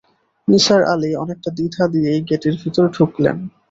নিসার আলি অনেকটা দ্বিধা নিয়েই গেটের ভেতর ঢুকলেন।